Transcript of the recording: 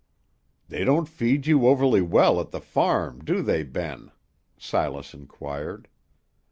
"They don't feed you overly well at the farm, do they, Ben?" Silas inquired.